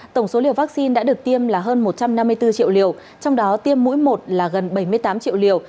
tổng số liều vaccine đã được tiêm là hơn một trăm năm mươi bốn triệu liều trong đó tiêm mũi một là gần bảy mươi tám triệu liều